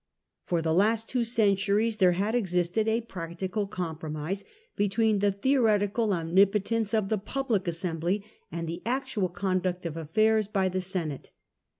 For the last two centuries there had existed a practical compi'omise between the theoretical omnipotence of the Public Assembly and the actual conduct of affairs by the Senate.